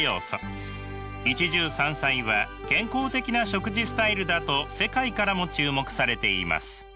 一汁三菜は健康的な食事スタイルだと世界からも注目されています。